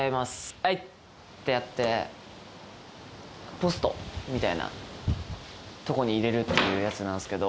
あいってやって、ポストみたいな所に入れるってやつなんですけど。